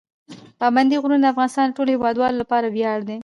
پابندي غرونه د افغانستان د ټولو هیوادوالو لپاره ویاړ دی.